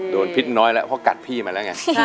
พิษน้อยแล้วเพราะกัดพี่มาแล้วไง